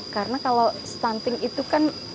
karena kalau stunting itu kan